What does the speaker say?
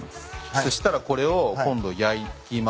そしたらこれを今度焼きます。